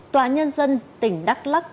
tòa nhân dân tỉnh đắk lắc